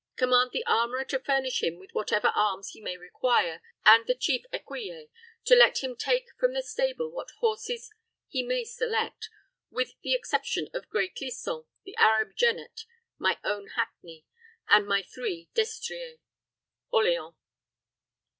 Command the armorer to furnish him with what ever arms he may require, and the chief écuyer to let him take from the stable what horses he may select, with the exception of gray Clisson, the Arab jennet, my own hackney, and my three destriers. ORLEANS."